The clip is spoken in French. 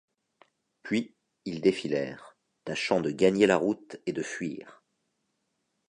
Puis, ils défilèrent, tâchant de gagner la route et de fuir.